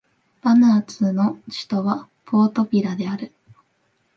バヌアツの首都はポートビラである